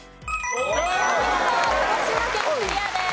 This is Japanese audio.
お見事鹿児島県クリアです。